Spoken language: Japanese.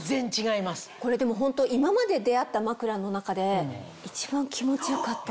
これホント今まで出合った枕の中で。